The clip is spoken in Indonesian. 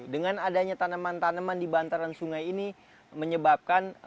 dengan adanya tanaman tanaman di bantaran sungai ini menyebabkan